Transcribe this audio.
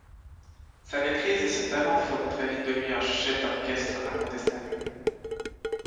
Sa maîtrise et son talent feront très vite de lui un chef d'orchestre incontestable.